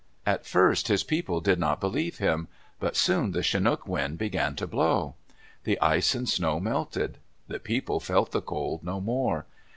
At first his people did not believe him. But soon the chinook wind began to blow. The ice and snow melted. The people felt the cold no more.